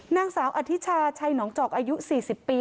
นางสาวอธิชาชัยหนองจอกอายุ๔๐ปี